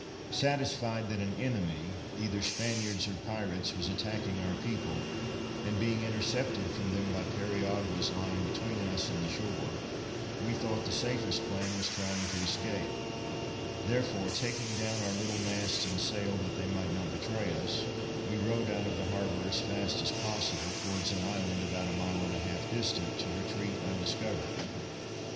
Satisfied that an enemy, either Spaniards or pirates, was attacking our people, and being intercepted from them by periaguas lying between us and the shore, we thought the safest plan was trying to escape. Therefore, taking down our little mast and sail, that they might not betray us, we rowed out of the harbor as fast as possible, towards an island about a mile and a half distant, to retreat undiscovered.